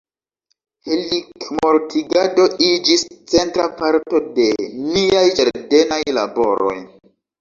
Helikmortigado iĝis centra parto de niaj ĝardenaj laboroj.